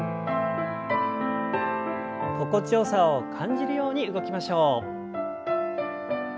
心地よさを感じるように動きましょう。